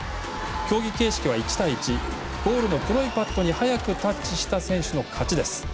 競技形式は１対１ゴールの黒いパッドに早くタッチした選手の勝ちです。